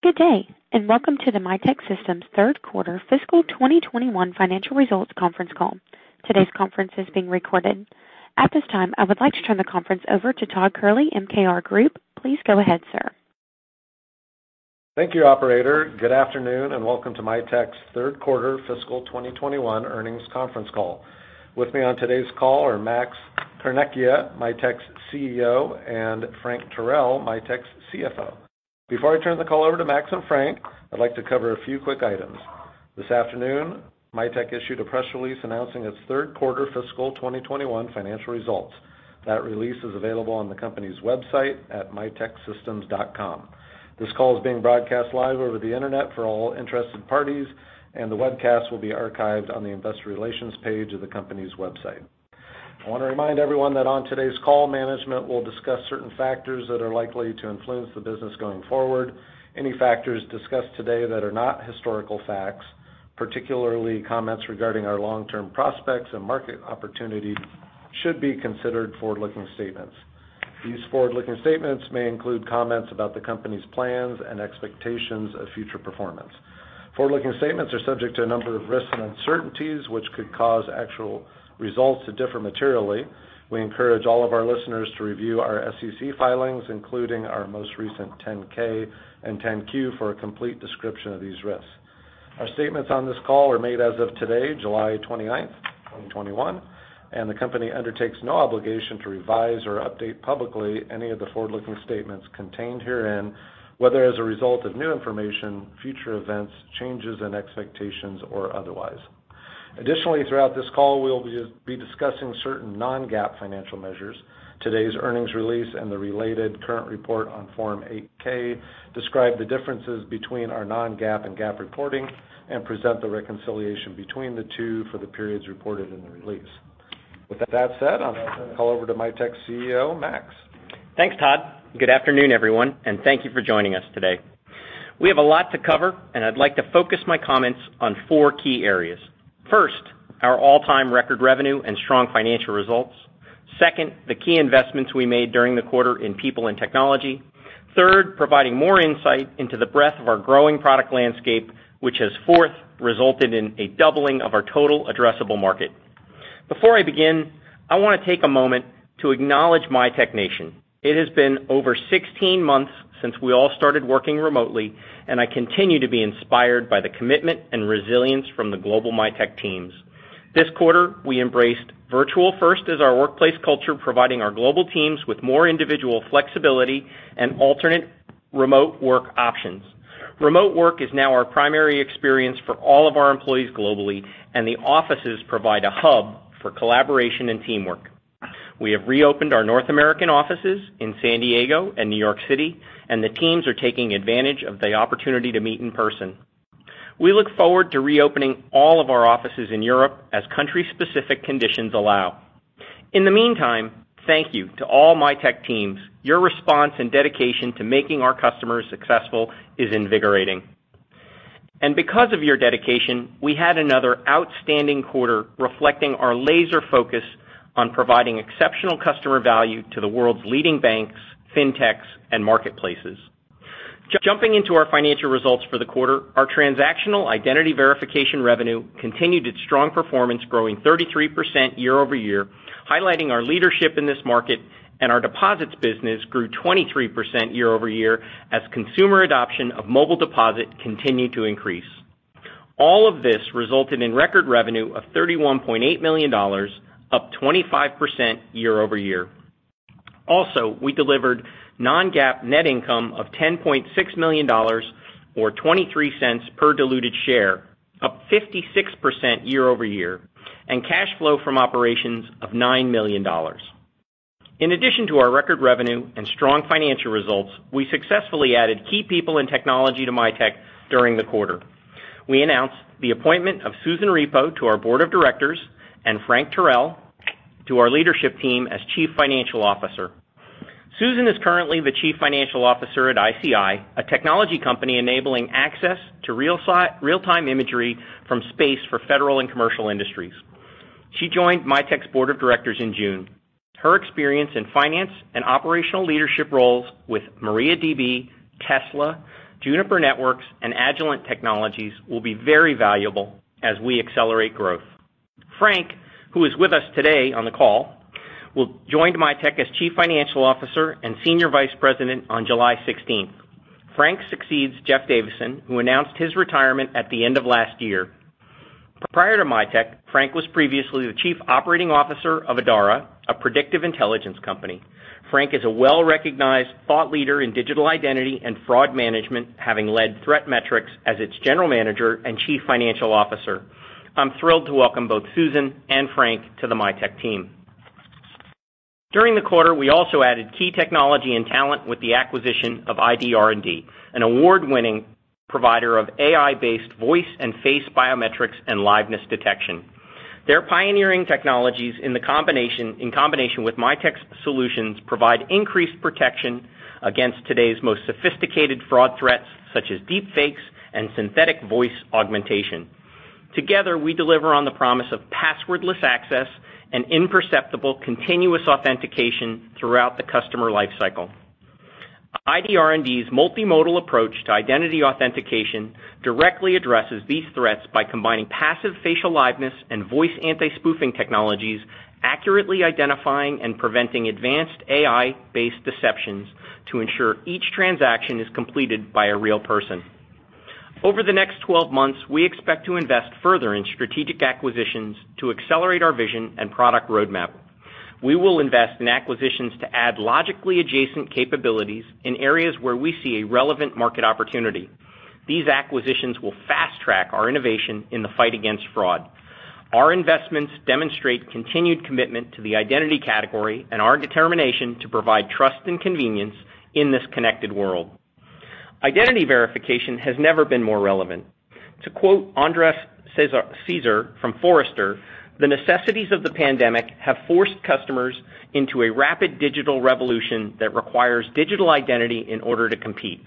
Good day, welcome to the Mitek Systems third quarter fiscal 2021 financial results conference call. Today's conference is being recorded. At this time, I would like to turn the conference over to Todd Kehrli, MKR Group. Please go ahead, sir. Thank you, operator. Good afternoon, and welcome to Mitek's third quarter fiscal 2021 earnings conference call. With me on today's call are Max Carnecchia, Mitek's CEO, and Frank Teruel, Mitek's CFO. Before I turn the call over to Max and Frank, I'd like to cover a few quick items. This afternoon, Mitek issued a press release announcing its third quarter fiscal 2021 financial results. That release is available on the company's website at miteksystems.com. This call is being broadcast live over the internet for all interested parties, and the webcast will be archived on the investor relations page of the company's website. I want to remind everyone that on today's call, management will discuss certain factors that are likely to influence the business going forward. Any factors discussed today that are not historical facts, particularly comments regarding our long-term prospects and market opportunities, should be considered forward-looking statements. These forward-looking statements may include comments about the company's plans and expectations of future performance. Forward-looking statements are subject to a number of risks and uncertainties, which could cause actual results to differ materially. We encourage all of our listeners to review our SEC filings, including our most recent 10-K and 10-Q for a complete description of these risks. Our statements on this call are made as of today, July 29th, 2021, and the company undertakes no obligation to revise or update publicly any of the forward-looking statements contained herein, whether as a result of new information, future events, changes in expectations, or otherwise. Additionally, throughout this call, we'll be discussing certain non-GAAP financial measures. Today's earnings release and the related current report on Form 8-K describe the differences between our non-GAAP and GAAP reporting and present the reconciliation between the two for the periods reported in the release. With that said, I'll turn the call over to Mitek's CEO, Max. Thanks, Todd. Good afternoon, everyone, and thank you for joining us today. We have a lot to cover, and I'd like to focus my comments on four key areas. First, our all-time record revenue and strong financial results. Second, the key investments we made during the quarter in people and technology. Third, providing more insight into the breadth of our growing product landscape, which has fourth, resulted in a doubling of our total addressable market. Before I begin, I want to take a moment to acknowledge Mitek Nation. It has been over 16 months since we all started working remotely, and I continue to be inspired by the commitment and resilience from the global Mitek teams. This quarter, we embraced virtual first as our workplace culture, providing our global teams with more individual flexibility and alternate remote work options. Remote work is now our primary experience for all of our employees globally, and the offices provide a hub for collaboration and teamwork. We have reopened our North American offices in San Diego and New York City, and the teams are taking advantage of the opportunity to meet in person. We look forward to reopening all of our offices in Europe as country-specific conditions allow. In the meantime, thank you to all Mitek teams. Your response and dedication to making our customers successful is invigorating. Because of your dedication, we had another outstanding quarter reflecting our laser focus on providing exceptional customer value to the world's leading banks, fintechs, and marketplaces. Jumping into our financial results for the quarter, our transactional identity verification revenue continued its strong performance, growing 33% year-over-year, highlighting our leadership in this market, and our deposits business grew 23% year-over-year as consumer adoption of Mobile Deposit continued to increase. All of this resulted in record revenue of $31.8 million, up 25% year-over-year. We delivered non-GAAP net income of $10.6 million, or $0.23 per diluted share, up 56% year-over-year, and cash flow from operations of $9 million. In addition to our record revenue and strong financial results, we successfully added key people and technology to Mitek during the quarter. We announced the appointment of Susan Repo to our board of directors and Frank Teruel to our leadership team as Chief Financial Officer. Susan is currently the Chief Financial Officer at ICEYE, a technology company enabling access to real-time imagery from space for federal and commercial industries. She joined Mitek's board of directors in June. Her experience in finance and operational leadership roles with MariaDB, Tesla, Juniper Networks, and Agilent Technologies will be very valuable as we accelerate growth. Frank, who is with us today on the call, joined Mitek as Chief Financial Officer and Senior Vice President on July 16th. Frank succeeds Jeff Davison, who announced his retirement at the end of last year. Prior to Mitek, Frank was previously the Chief Operating Officer of Adara, a predictive intelligence company. Frank is a well-recognized thought leader in digital identity and fraud management, having led ThreatMetrix as its General Manager and Chief Financial Officer. I'm thrilled to welcome both Susan and Frank to the Mitek team. During the quarter, we also added key technology and talent with the acquisition of ID R&D, an award-winning provider of AI-based voice and face biometrics and liveness detection. Their pioneering technologies in combination with Mitek's solutions provide increased protection against today's most sophisticated fraud threats, such as deepfakes and synthetic voice augmentation. Together, we deliver on the promise of passwordless access and imperceptible continuous authentication throughout the customer life cycle. ID R&D's multimodal approach to identity authentication directly addresses these threats by combining passive facial liveness and voice anti-spoofing technologies, accurately identifying and preventing advanced AI-based deceptions to ensure each transaction is completed by a real person. Over the next 12 months, we expect to invest further in strategic acquisitions to accelerate our vision and product roadmap. We will invest in acquisitions to add logically adjacent capabilities in areas where we see a relevant market opportunity. These acquisitions will fast-track our innovation in the fight against fraud. Our investments demonstrate continued commitment to the identity category and our determination to provide trust and convenience in this connected world. Identity verification has never been more relevant. To quote Andras Cser from Forrester, "The necessities of the pandemic have forced customers into a rapid digital revolution that requires digital identity in order to compete."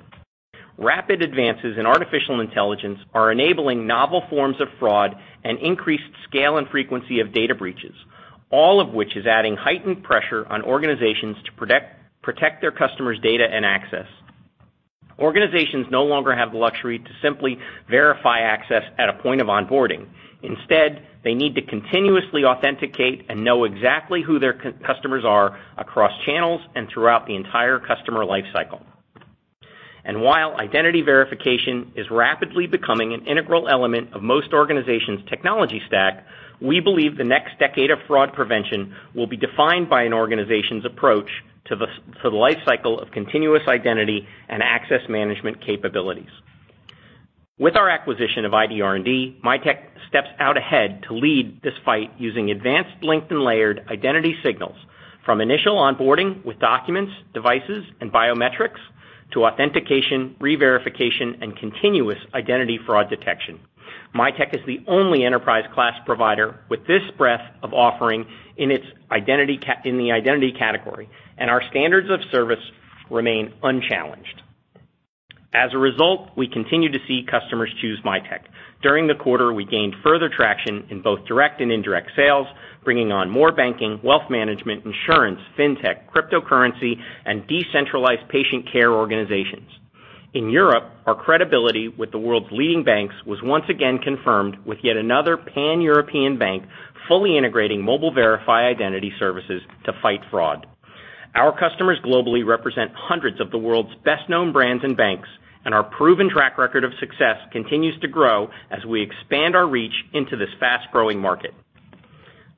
Rapid advances in artificial intelligence are enabling novel forms of fraud and increased scale and frequency of data breaches, all of which is adding heightened pressure on organizations to protect their customers' data and access. Organizations no longer have the luxury to simply verify access at a point of onboarding. Instead, they need to continuously authenticate and know exactly who their customers are across channels and throughout the entire customer life cycle. While identity verification is rapidly becoming an integral element of most organizations' technology stack, we believe the next decade of fraud prevention will be defined by an organization's approach to the life cycle of continuous identity and access management capabilities. With our acquisition of ID R&D, Mitek steps out ahead to lead this fight using advanced linked and layered identity signals from initial onboarding with documents, devices, and biometrics to authentication, re-verification, and continuous identity fraud detection. Mitek is the only enterprise-class provider with this breadth of offering in the identity category, and our standards of service remain unchallenged. As a result, we continue to see customers choose Mitek. During the quarter, we gained further traction in both direct and indirect sales, bringing on more banking, wealth management, insurance, fintech, cryptocurrency, and decentralized patient care organizations. In Europe, our credibility with the world's leading banks was once again confirmed with yet another Pan-European bank fully integrating Mobile Verify identity services to fight fraud. Our customers globally represent hundreds of the world's best-known brands and banks, and our proven track record of success continues to grow as we expand our reach into this fast-growing market.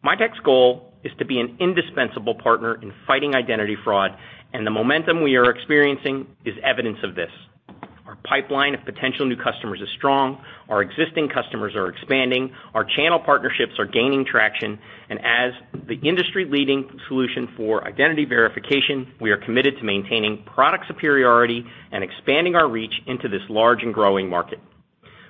Mitek's goal is to be an indispensable partner in fighting identity fraud, and the momentum we are experiencing is evidence of this. Our pipeline of potential new customers is strong. Our existing customers are expanding. Our channel partnerships are gaining traction. As the industry-leading solution for identity verification, we are committed to maintaining product superiority and expanding our reach into this large and growing market.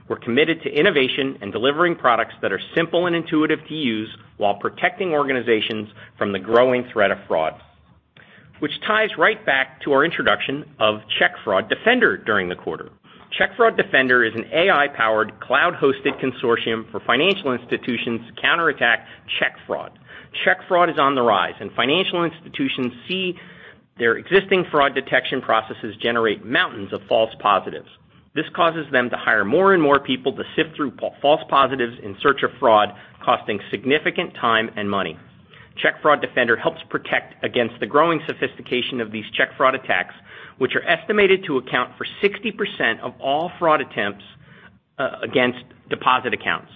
We're committed to innovation and delivering products that are simple and intuitive to use while protecting organizations from the growing threat of fraud. Which ties right back to our introduction of Check Fraud Defender during the quarter. Check Fraud Defender is an AI-powered, cloud-hosted consortium for financial institutions to counterattack check fraud. Check fraud is on the rise, and financial institutions see their existing fraud detection processes generate mountains of false positives. This causes them to hire more and more people to sift through false positives in search of fraud, costing significant time and money. Check Fraud Defender helps protect against the growing sophistication of these check fraud attacks, which are estimated to account for 60% of all fraud attempts against deposit accounts.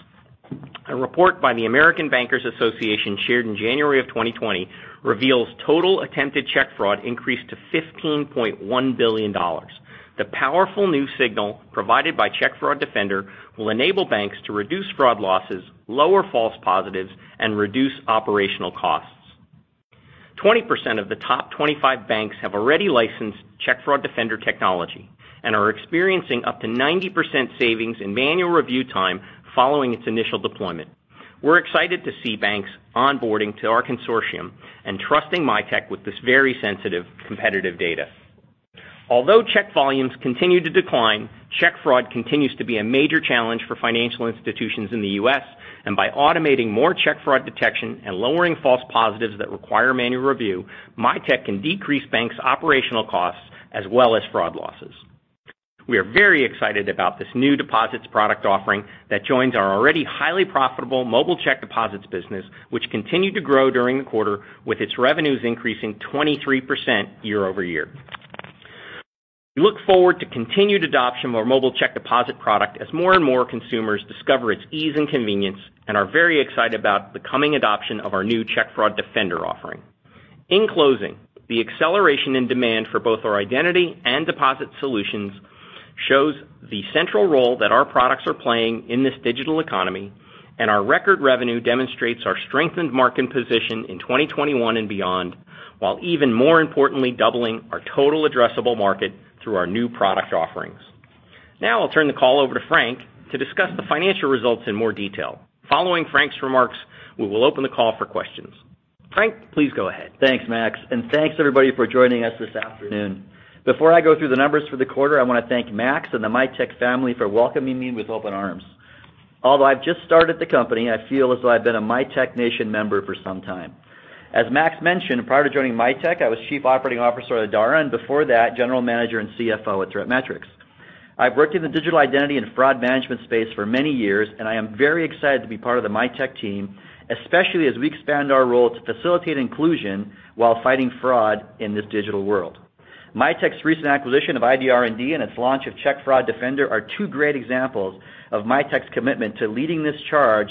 A report by the American Bankers Association shared in January of 2020 reveals total attempted check fraud increased to $15.1 billion. The powerful new signal provided by Check Fraud Defender will enable banks to reduce fraud losses, lower false positives, and reduce operational costs. 20% of the top 25 banks have already licensed Check Fraud Defender technology and are experiencing up to 90% savings in manual review time following its initial deployment. We're excited to see banks onboarding to our consortium and trusting Mitek with this very sensitive, competitive data. Although check volumes continue to decline, check fraud continues to be a major challenge for financial institutions in the U.S., and by automating more check fraud detection and lowering false positives that require manual review, Mitek can decrease banks' operational costs as well as fraud losses. We are very excited about this new deposits product offering that joins our already highly profitable mobile check deposits business, which continued to grow during the quarter, with its revenues increasing 23% year-over-year. We look forward to continued adoption of our Mobile Deposit product as more and more consumers discover its ease and convenience and are very excited about the coming adoption of our new Check Fraud Defender offering. In closing, the acceleration in demand for both our identity and deposit solutions shows the central role that our products are playing in this digital economy, and our record revenue demonstrates our strengthened market position in 2021 and beyond, while even more importantly doubling our total addressable market through our new product offerings. Now I'll turn the call over to Frank to discuss the financial results in more detail. Following Frank's remarks, we will open the call for questions. Frank, please go ahead. Thanks, Max. Thanks everybody for joining us this afternoon. Before I go through the numbers for the quarter, I want to thank Max and the Mitek Nation for welcoming me with open arms. Although I've just started the company, I feel as though I've been a Mitek Nation member for some time. As Max mentioned, prior to joining Mitek, I was Chief Operating Officer at Adara, and before that, general manager and CFO at ThreatMetrix. I've worked in the digital identity and fraud management space for many years, and I am very excited to be part of the Mitek team, especially as we expand our role to facilitate inclusion while fighting fraud in this digital world. Mitek's recent acquisition of ID R&D and its launch of Check Fraud Defender are two great examples of Mitek's commitment to leading this charge,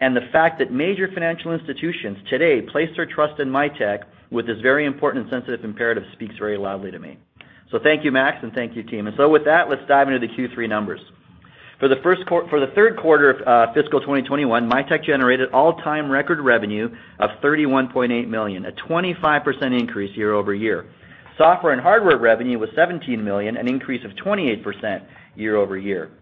and the fact that major financial institutions today place their trust in Mitek with this very important and sensitive imperative speaks very loudly to me. Thank you, Max, and thank you team. With that, let's dive into the Q3 numbers. For the third quarter of fiscal 2021, Mitek generated all-time record revenue of $31.8 million, a 25% increase year-over-year. Software and hardware revenue was $17 million, an increase of 28% year-over-year.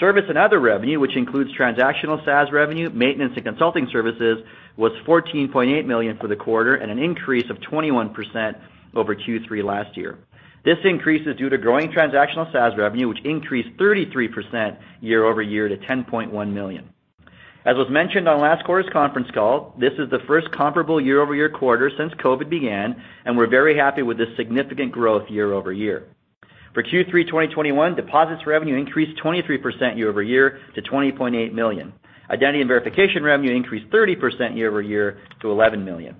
Service and other revenue, which includes transactional SaaS revenue, maintenance, and consulting services, was $14.8 million for the quarter and an increase of 21% over Q3 last year. This increase is due to growing transactional SaaS revenue, which increased 33% year-over-year to $10.1 million. As was mentioned on last quarter's conference call, this is the first comparable year-over-year quarter since COVID began, and we're very happy with this significant growth year-over-year. For Q3 2021, deposits revenue increased 23% year-over-year to $20.8 million. Identity and Verification revenue increased 30% year-over-year to $11 million.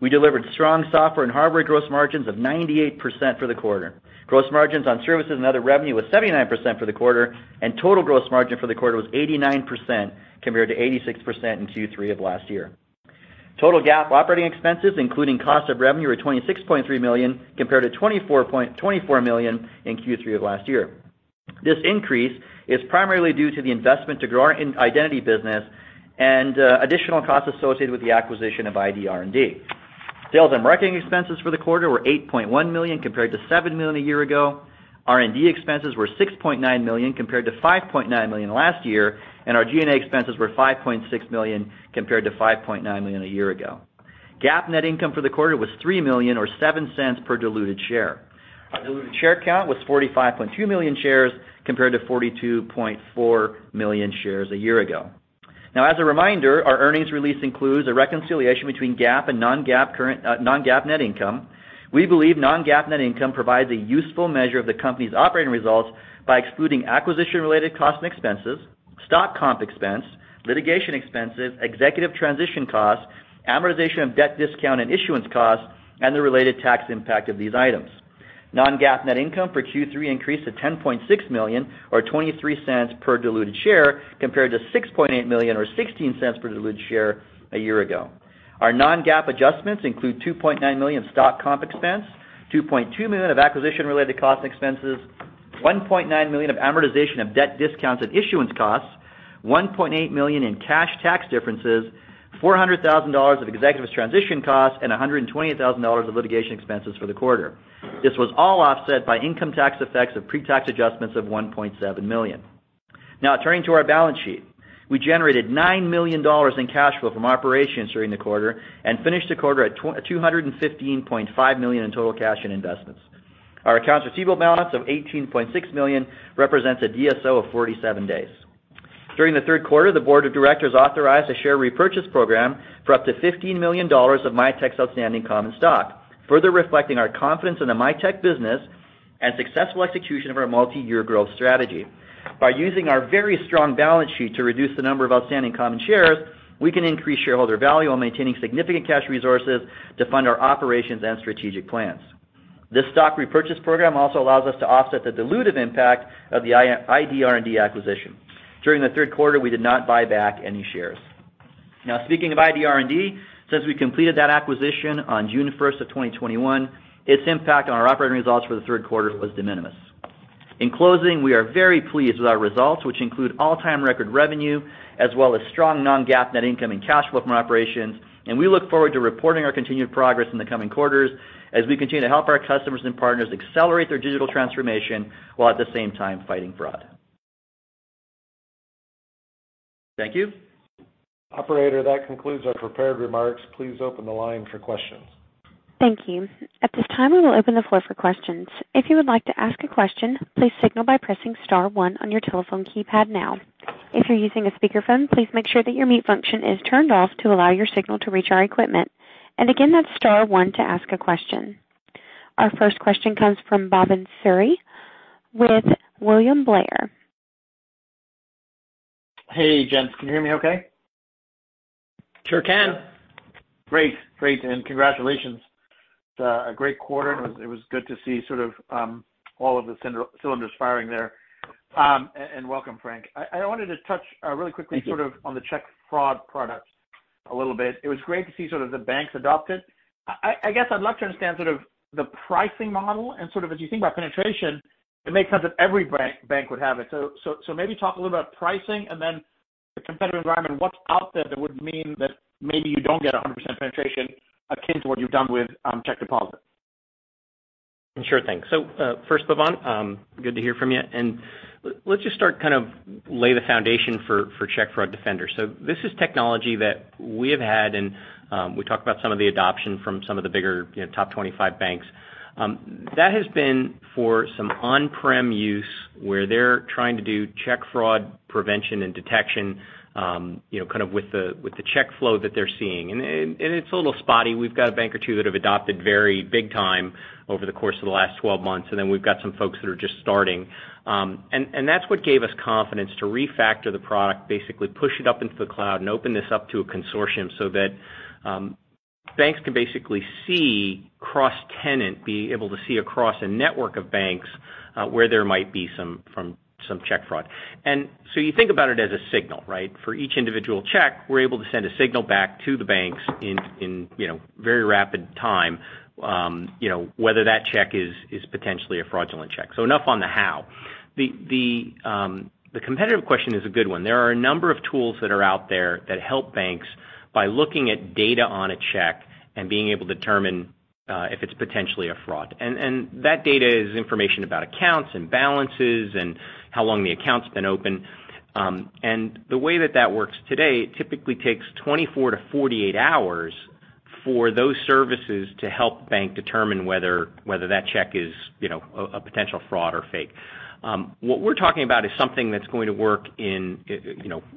We delivered strong software and hardware gross margins of 98% for the quarter. Gross margins on services and other revenue was 79% for the quarter. Total gross margin for the quarter was 89% compared to 86% in Q3 of last year. Total GAAP operating expenses, including cost of revenue, were $26.3 million compared to $24 million in Q3 of last year. This increase is primarily due to the investment to grow our identity business and additional costs associated with the acquisition of ID R&D. Sales and marketing expenses for the quarter were $8.1 million compared to $7 million a year ago. R&D expenses were $6.9 million compared to $5.9 million last year, and our G&A expenses were $5.6 million compared to $5.9 million a year ago. GAAP net income for the quarter was $3 million or $0.07 per diluted share. Our diluted share count was 45.2 million shares compared to 42.4 million shares a year ago. As a reminder, our earnings release includes a reconciliation between GAAP and non-GAAP net income. We believe non-GAAP net income provides a useful measure of the company's operating results by excluding acquisition-related costs and expenses, stock comp expense, litigation expenses, executive transition costs, amortization of debt discount and issuance costs, and the related tax impact of these items. non-GAAP net income for Q3 increased to $10.6 million or $0.23 per diluted share compared to $6.8 million or $0.16 per diluted share a year ago. Our non-GAAP adjustments include $2.9 million of stock comp expense, $2.2 million of acquisition-related cost and expenses, $1.9 million of amortization of debt discounts and issuance costs, $1.8 million in cash tax differences, $400,000 of executive transition costs, and $120,000 of litigation expenses for the quarter. This was all offset by income tax effects of pre-tax adjustments of $1.7 million. Turning to our balance sheet. We generated $9 million in cash flow from operations during the quarter and finished the quarter at $215.5 million in total cash and investments. Our accounts receivable balance of $18.6 million represents a DSO of 47 days. During the third quarter, the board of directors authorized a share repurchase program for up to $15 million of Mitek's outstanding common stock, further reflecting our confidence in the Mitek business and successful execution of our multi-year growth strategy. By using our very strong balance sheet to reduce the number of outstanding common shares, we can increase shareholder value while maintaining significant cash resources to fund our operations and strategic plans. This stock repurchase program also allows us to offset the dilutive impact of the ID R&D acquisition. During the third quarter, we did not buy back any shares. Speaking of ID R&D, since we completed that acquisition on June 1st of 2021, its impact on our operating results for the third quarter was de minimis. In closing, we are very pleased with our results, which include all-time record revenue as well as strong non-GAAP net income and cash flow from operations, and we look forward to reporting our continued progress in the coming quarters as we continue to help our customers and partners accelerate their digital transformation while at the same time fighting fraud. Thank you. Operator, that concludes our prepared remarks. Please open the line for questions. Thank you. At this time, we will open the floor for questions. If you would like to ask a question, please signal by pressing star one on your telephone keypad now. If you're using a speakerphone, please make sure that your mute function is turned off to allow your signal to reach our equipment. Again, that's star one to ask a question. Our first question comes from Bhavan Suri with William Blair. Hey, gents. Can you hear me okay? Sure can. Great. Congratulations. It's a great quarter. It was good to see all of the cylinders firing there. Welcome, Frank. Thank you. on the Check Fraud product a little bit. It was great to see the banks adopt it. I guess I'd love to understand the pricing model and as you think about penetration, it makes sense that every bank would have it. Maybe talk a little about pricing and then the competitive environment. What's out there that would mean that maybe you don't get 100% penetration akin to what you've done with check deposit? Sure thing. First, Bhavan, good to hear from you. Let's just start kind of lay the foundation for Check Fraud Defender. This is technology that we have had, and we talked about some of the adoption from some of the bigger top 25 banks. That has been for some on-prem use where they're trying to do check fraud prevention and detection with the check flow that they're seeing. It's a little spotty. We've got a bank or two that have adopted very big time over the course of the last 12 months, and then we've got some folks that are just starting. That's what gave us confidence to refactor the product, basically push it up into the cloud and open this up to a consortium so that banks can basically see cross-tenant, be able to see across a network of banks where there might be some check fraud. You think about it as a signal, right? For each individual check, we're able to send a signal back to the banks in very rapid time whether that check is potentially a fraudulent check. Enough on the how. The competitive question is a good one. There are a number of tools that are out there that help banks by looking at data on a check and being able to determine if it's potentially a fraud. That data is information about accounts and balances and how long the account's been open. The way that that works today, it typically takes 24-48 hours for those services to help bank determine whether that check is a potential fraud or fake. What we're talking about is something that's going to work in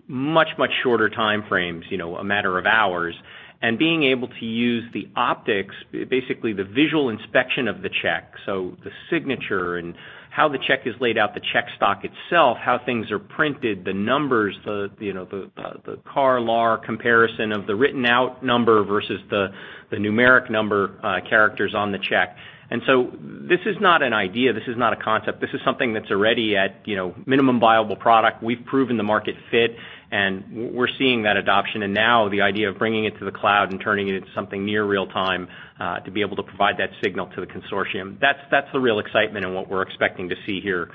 much, much shorter time frames, a matter of hours, and being able to use the optics, basically the visual inspection of the check, so the signature and how the check is laid out, the check stock itself, how things are printed, the numbers, the CAR/LAR comparison of the written out number versus the numeric number characters on the check. This is not an idea, this is not a concept. This is something that's already at minimum viable product. We've proven the market fit, and we're seeing that adoption. Now the idea of bringing it to the cloud and turning it into something near real-time to be able to provide that signal to the consortium, that's the real excitement in what we're expecting to see here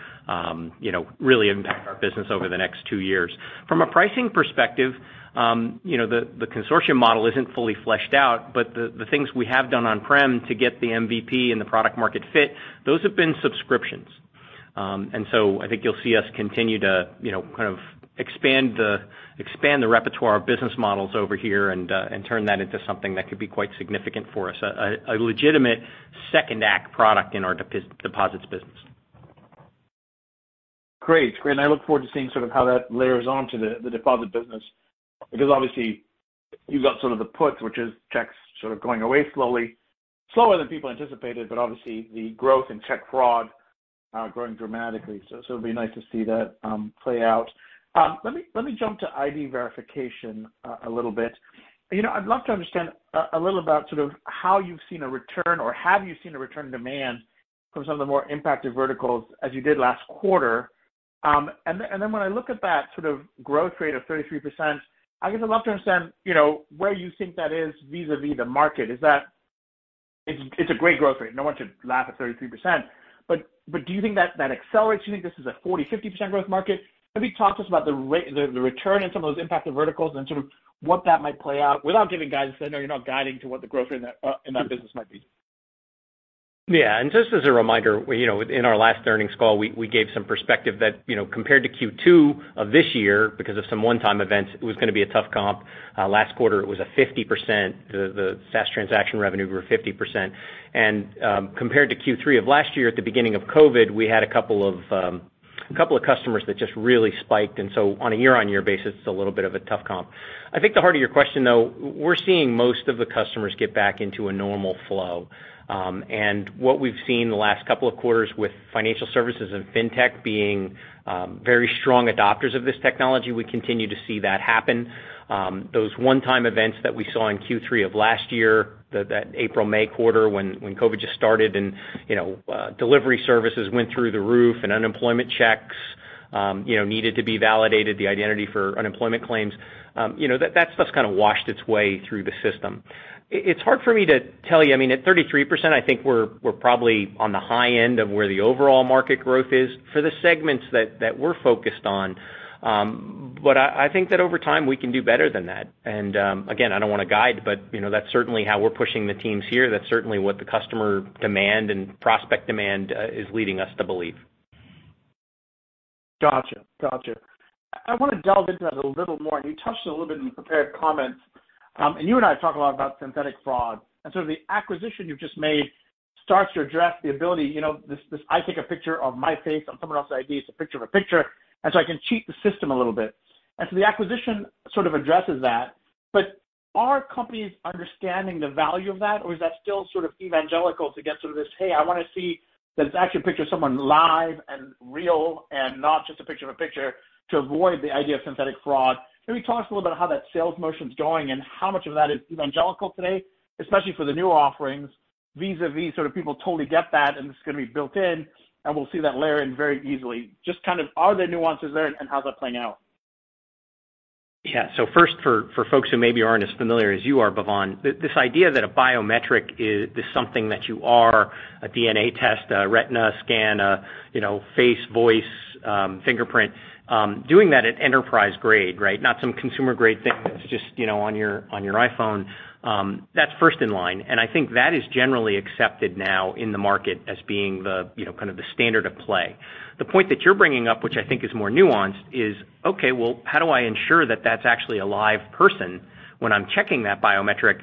really impact our business over the next two years. From a pricing perspective, the consortium model isn't fully fleshed out, but the things we have done on-prem to get the MVP and the product market fit, those have been subscriptions. I think you'll see us continue to kind of expand the repertoire of business models over here and turn that into something that could be quite significant for us, a legitimate second-act product in our deposits business. Great. I look forward to seeing sort of how that layers on to the deposit business, because obviously you've got sort of the puts, which is checks sort of going away slowly, slower than people anticipated, but obviously the growth in check fraud growing dramatically. It'll be nice to see that play out. Let me jump to ID verification a little bit. I'd love to understand a little about sort of how you've seen a return, or have you seen a return demand from some of the more impacted verticals as you did last quarter? When I look at that sort of growth rate of 33%, I guess I'd love to understand where you think that is vis-a-vis the market. It's a great growth rate. No one should laugh at 33%, but do you think that accelerates? Do you think this is a 40%-50% growth market? Maybe talk to us about the return in some of those impacted verticals and sort of what that might play out without giving guidance. I know you're not guiding to what the growth rate in that business might be. Yeah. Just as a reminder, in our last earnings call, we gave some perspective that compared to Q2 of this year, because of some one-time events, it was going to be a tough comp. Last quarter, the SaaS transaction revenue were 50%. Compared to Q3 of last year, at the beginning of COVID, we had a couple of customers that just really spiked. On a year-on-year basis, it's a little bit of a tough comp. I think the heart of your question, though, we're seeing most of the customers get back into a normal flow. What we've seen the last couple of quarters with financial services and fintech being very strong adopters of this technology, we continue to see that happen. Those one-time events that we saw in Q3 of last year, that April-May quarter when COVID just started and delivery services went through the roof and unemployment checks needed to be validated, the identity for unemployment claims, that stuff's kind of washed its way through the system. It's hard for me to tell you. I mean, at 33%, I think we're probably on the high end of where the overall market growth is for the segments that we're focused on. I think that over time, we can do better than that. Again, I don't want to guide, but that's certainly how we're pushing the teams here. That's certainly what the customer demand and prospect demand is leading us to believe. Got you. I want to delve into that a little more, and you touched a little bit in the prepared comments. You and I talk a lot about synthetic fraud and sort of the acquisition you've just made starts to address the ability, this I take a picture of my face on someone else's ID. It's a picture of a picture, I can cheat the system a little bit. The acquisition sort of addresses that. Are companies understanding the value of that, or is that still sort of evangelical to get sort of this, "Hey, I want to see that it's actually a picture of someone live and real and not just a picture of a picture" to avoid the idea of synthetic fraud? Can we talk a little bit how that sales motion's going and how much of that is evangelical today, especially for the new offerings vis-a-vis sort of people totally get that and this is going to be built in and we'll see that layer in very easily? Just kind of are there nuances there and how's that playing out? First, for folks who maybe aren't as familiar as you are, Bhavan, this idea that a biometric is something that you are, a DNA test, a retina scan, a face, voice, fingerprint, doing that at enterprise grade, right? Not some consumer-grade thing that's just on your iPhone. That's first in line, and I think that is generally accepted now in the market as being the standard of play. The point that you're bringing up, which I think is more nuanced, is, okay, well, how do I ensure that that's actually a live person when I'm checking that biometric?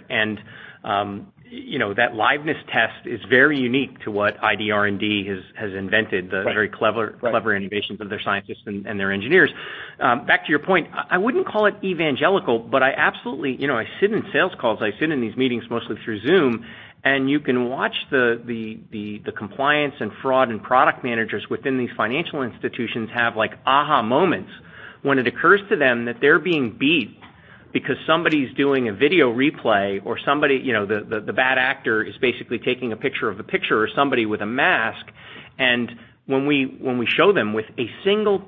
That liveness test is very unique to what ID R&D has invented. Right. The very clever innovations of their scientists and their engineers. Back to your point. I wouldn't call it evangelical, but I absolutely sit in sales calls. I sit in these meetings mostly through Zoom. You can watch the compliance and fraud and product managers within these financial institutions have aha moments when it occurs to them that they're being beat because somebody's doing a video replay or the bad actor is basically taking a picture of the picture or somebody with a mask. When we show them with a single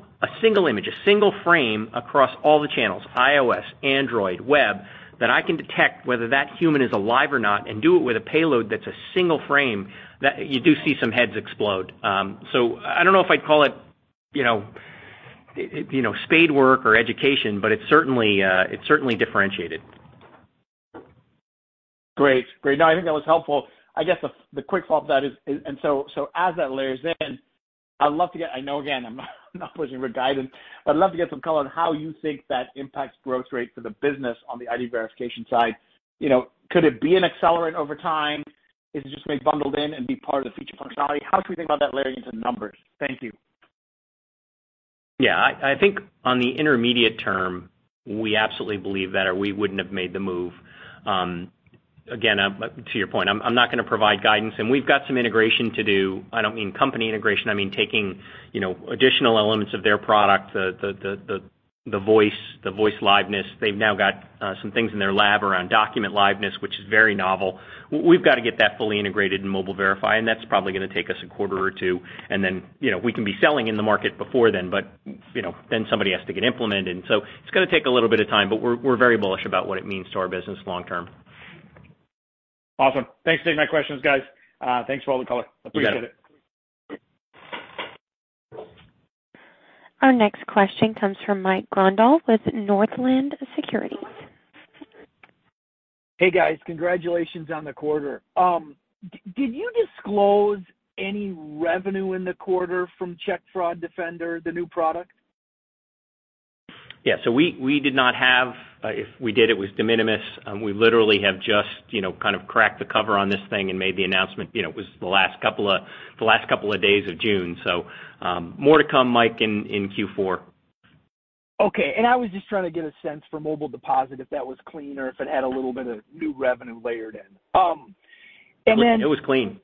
image, a single frame across all the channels, iOS, Android, web, that I can detect whether that human is alive or not and do it with a payload that's a single frame, you do see some heads explode. I don't know if I'd call it spade work or education, but it's certainly differentiated. Great. No, I think that was helpful. I guess the quick follow-up to that is, and so as that layers in, I would love to get I know again, I'm not pushing for guidance, but I'd love to get some color on how you think that impacts growth rate for the business on the ID verification side. Could it be an accelerant over time? Is it just maybe bundled in and be part of the feature functionality? How should we think about that layering into the numbers? Thank you. Yeah. I think on the intermediate term, we absolutely believe that, or we wouldn't have made the move. Again, to your point, I'm not gonna provide guidance. We've got some integration to do. I don't mean company integration, I mean taking additional elements of their product, the voice liveness. They've now got some things in their lab around document liveness, which is very novel. We've got to get that fully integrated in Mobile Verify. That's probably gonna take us a quarter or two. We can be selling in the market before then. Somebody has to get implemented. It's gonna take a little bit of time. We're very bullish about what it means to our business long term. Awesome. Thanks for taking my questions, guys. Thanks for all the color. Appreciate it. You got it. Our next question comes from Mike Grondahl with Northland Securities. Hey, guys. Congratulations on the quarter. Did you disclose any revenue in the quarter from Check Fraud Defender, the new product? Yeah, we did not have. If we did, it was de minimis. We literally have just cracked the cover on this thing and made the announcement. It was the last two days of June. More to come, Mike, in Q4. Okay, I was just trying to get a sense for Mobile Deposit, if that was clean or if it had a little bit of new revenue layered in. It was clean.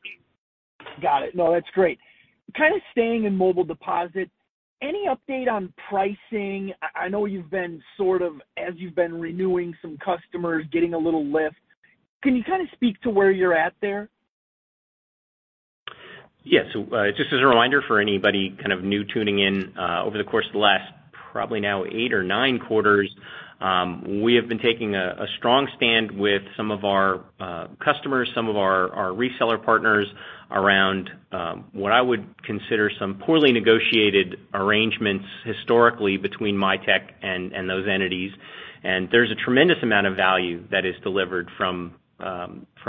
Got it. No, that's great. Kind of staying in Mobile Deposit, any update on pricing? I know you've been sort of, as you've been renewing some customers, getting a little lift. Can you speak to where you're at there? Just as a reminder for anybody new tuning in, over the course of the last probably now eight or nine quarters, we have been taking a strong stand with some of our customers, some of our reseller partners, around what I would consider some poorly negotiated arrangements historically between Mitek and those entities. There's a tremendous amount of value that is delivered from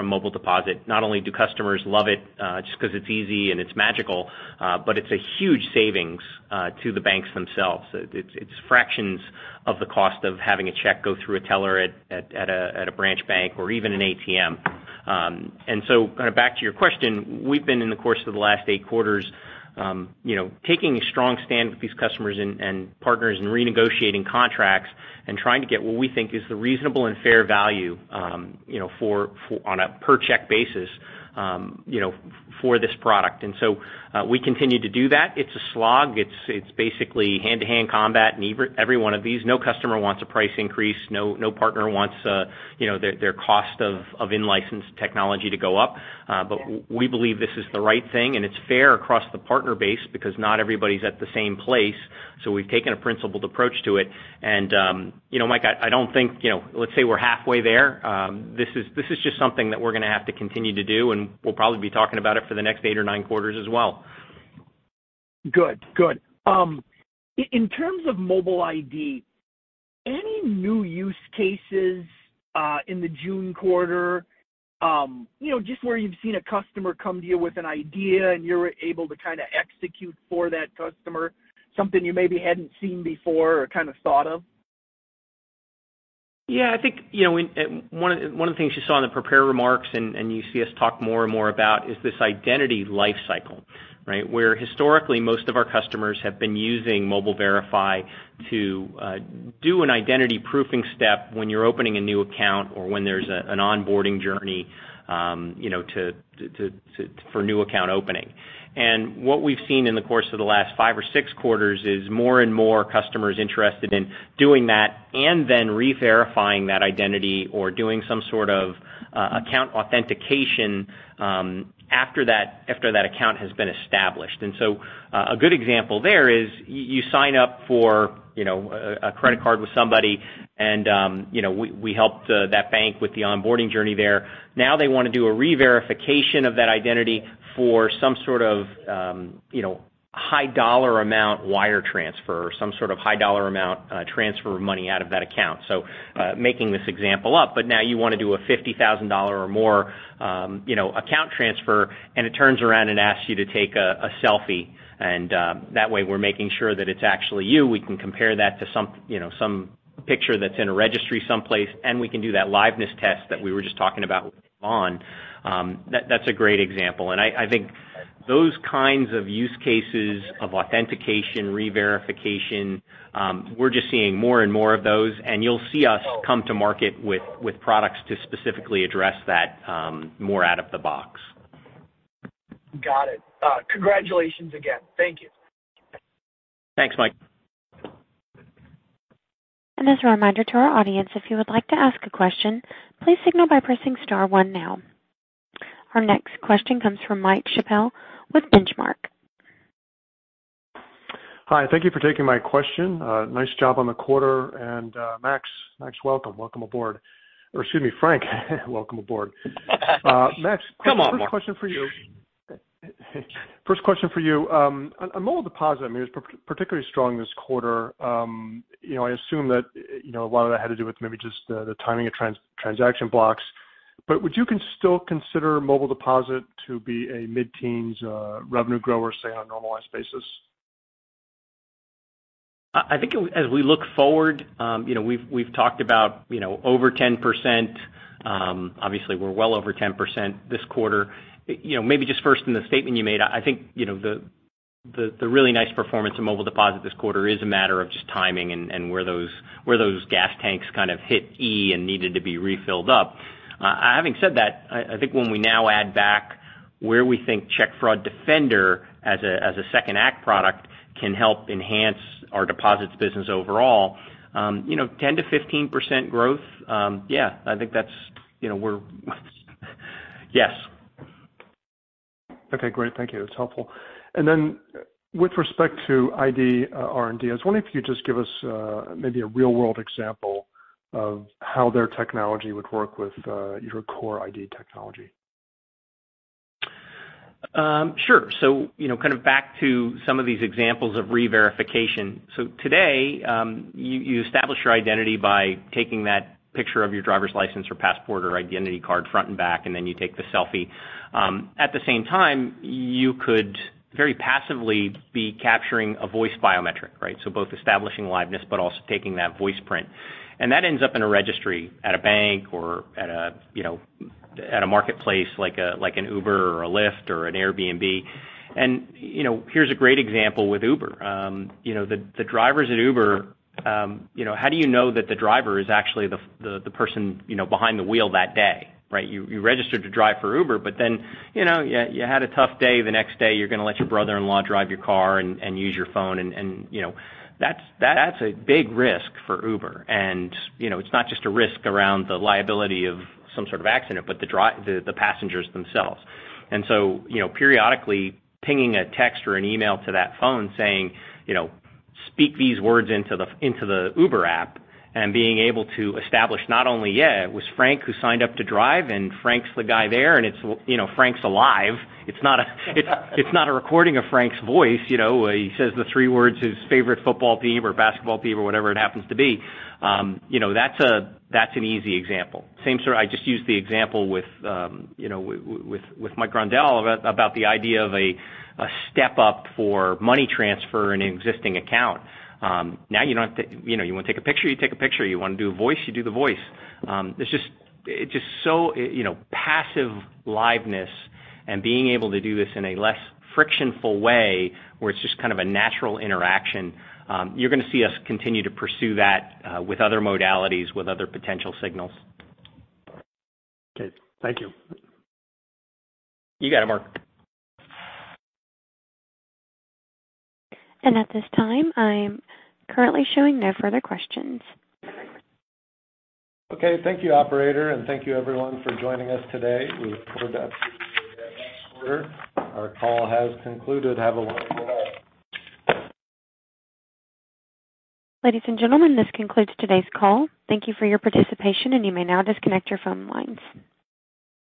Mobile Deposit. Not only do customers love it just because it's easy and it's magical, it's a huge savings to the banks themselves. It's fractions of the cost of having a check go through a teller at a branch bank or even an ATM. Back to your question, we've been, in the course of the last eight quarters, taking a strong stand with these customers and partners in renegotiating contracts and trying to get what we think is the reasonable and fair value on a per check basis for this product. We continue to do that. It's a slog. It's basically hand-to-hand combat in every one of these. No customer wants a price increase. No partner wants their cost of in-licensed technology to go up. Yeah. We believe this is the right thing, and it's fair across the partner base because not everybody's at the same place. We've taken a principled approach to it. Mike, I don't think, let's say we're halfway there. This is just something that we're gonna have to continue to do, and we'll probably be talking about it for the next eight or nine quarters as well. Good. In terms of mobile ID, any new use cases in the June quarter, just where you've seen a customer come to you with an idea and you're able to execute for that customer, something you maybe hadn't seen before or thought of? I think one of the things you saw in the prepared remarks, and you see us talk more and more about, is this identity lifecycle, right? Where historically, most of our customers have been using Mobile Verify to do an identity proofing step when you're opening a new account or when there's an onboarding journey for new account opening. What we've seen in the course of the last five or six quarters is more and more customers interested in doing that and then re-verifying that identity or doing some sort of account authentication after that account has been established. A good example there is you sign up for a credit card with somebody, and we helped that bank with the onboarding journey there. Now they want to do a re-verification of that identity for some sort of high dollar amount wire transfer or some sort of high dollar amount transfer of money out of that account. Making this example up, but now you want to do a $50,000 or more account transfer, and it turns around and asks you to take a selfie. That way we're making sure that it's actually you. We can compare that to some picture that's in a registry someplace. We can do that liveness test that we were just talking about with Bhavan Suri. That's a great example. I think those kinds of use cases of authentication, re-verification, we're just seeing more and more of those, and you'll see us come to market with products to specifically address that more out of the box. Got it. Congratulations again. Thank you. Thanks, Mike. As a reminder to our audience, if you would like to ask a question, please signal by pressing star one now. Our next question comes from Mark Schappel with Benchmark. Hi. Thank you for taking my question. Nice job on the quarter. Max, welcome aboard. Excuse me, Frank, welcome aboard. Come on, Mark. First question for you. Mobile Deposit was particularly strong this quarter. I assume that a lot of that had to do with maybe just the timing of transaction blocks. Would you still consider Mobile Deposit to be a mid-teens revenue grower, say, on a normalized basis? I think as we look forward, we've talked about over 10%. Obviously, we're well over 10% this quarter. Maybe just first in the statement you made, I think the really nice performance in Mobile Deposit this quarter is a matter of just timing and where those gas tanks kind of hit E and needed to be refilled up. Having said that, I think when we now add back where we think Check Fraud Defender as a second act product can help enhance our deposits business overall, 10%-15% growth. Yes. Okay, great. Thank you. That's helpful. With respect to ID R&D, I was wondering if you could just give us maybe a real-world example of how their technology would work with your core ID technology. Sure. Back to some of these examples of re-verification. Today, you establish your identity by taking that picture of your driver's license or passport or identity card front and back, and then you take the selfie. At the same time, you could very passively be capturing a voice biometric, right? Both establishing liveness but also taking that voice print. That ends up in a registry at a bank or at a marketplace like an Uber or a Lyft or an Airbnb. Here's a great example with Uber. The drivers at Uber, how do you know that the driver is actually the person behind the wheel that day, right? You registered to drive for Uber, but then you had a tough day. The next day, you're going to let your brother-in-law drive your car and use your phone, and that's a big risk for Uber. It's not just a risk around the liability of some sort of accident, but the passengers themselves. Periodically pinging a text or an email to that phone saying, "Speak these words into the Uber app," and being able to establish not only, yeah, it was Frank who signed up to drive and Frank's the guy there, and Frank's alive. It's not a recording of Frank's voice where he says the three words, his favorite football team or basketball team or whatever it happens to be. That's an easy example. Same story. I just used the example with Mike Grondahl about the idea of a step-up for money transfer in an existing account. Now you want to take a picture, you take a picture. You want to do a voice, you do the voice. It's just so passive liveness and being able to do this in a less frictional way where it's just kind of a natural interaction. You're going to see us continue to pursue that with other modalities, with other potential signals. Okay. Thank you. You got it, Mark. At this time, I am currently showing no further questions. Okay. Thank you, operator. Thank you everyone for joining us today. We look forward to next quarter. Our call has concluded. Have a wonderful day. Ladies and gentlemen, this concludes today's call. Thank you for your participation, and you may now disconnect your phone lines.